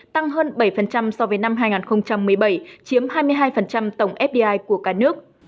tăng hơn bảy so với năm hai nghìn một mươi bảy chiếm hai mươi hai tổng fdi của cả nước